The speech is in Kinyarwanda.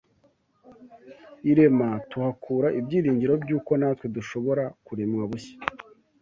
irema tuhakura ibyiringiro by’uko natwe dushobora kuremwa bushya